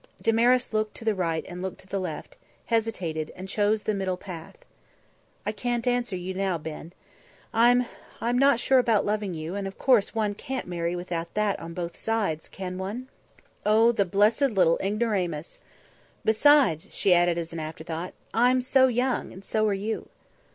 Damaris looked to the right and looked to the left, hesitated and chose the middle path. "I can't answer you now, Ben. I'm I'm not sure about loving you, and, of course, one can't marry without that on both sides, can one?" Oh, the blessed little ignoramus! "Besides," she added as an afterthought, "I'm so young, and so are you."